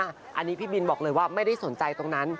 อันนี้พี่บินบอกเลยว่าไม่ได้สนใจตรงนั้น